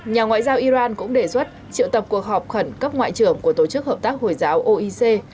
nhà ngoại giao iran cũng đề xuất triệu tập cuộc họp khẩn cấp ngoại trưởng của tổ chức hợp tác hồi giáo oec